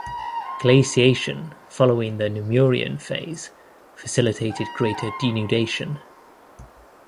Glaciation following the Namurian phase facilitated greater denudation.